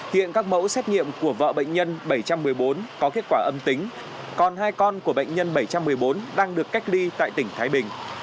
hiện các mẫu xét nghiệm của vợ bệnh nhân bảy trăm một mươi bốn có kết quả âm tính còn hai con của bệnh nhân bảy trăm một mươi bốn đang được cách ly tại tỉnh thái bình